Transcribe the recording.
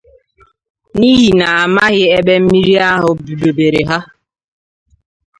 n'ihi na a maghị ebe mmiri ahụ budobere ha